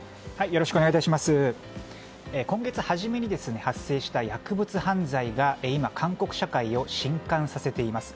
今月初めに発生した薬物犯罪が今、韓国社会を震撼させています。